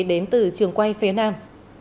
đến từ trường quay phía nam